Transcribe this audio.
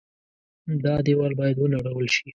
دا دېوال باید ونړول شي.